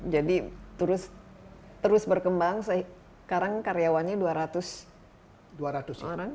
jadi terus berkembang sekarang karyawannya dua ratus orang